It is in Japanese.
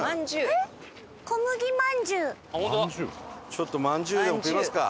ちょっとまんじゅうでも食いますか。